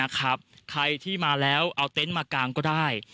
ใครที่มาแล้วเอาเต็นต์มากางก็ได้